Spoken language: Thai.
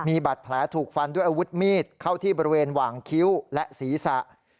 มีบาดแผลถูกฟันด้วยอาวุธมีดเข้าที่บริเวณหว่างคิ้วและศีรษะ